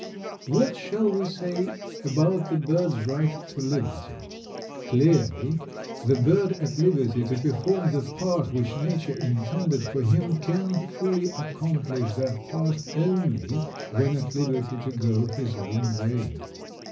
What shall we say about the bird's right to liberty? Clearly the bird at liberty to perform the part which Nature intended for him can fully accomplish that part only when at liberty to go his own way.